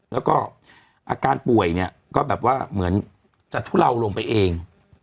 แล้วก็อาการป่วยเนี่ยก็แบบว่าเหมือนจะทุเลาลงไปเอง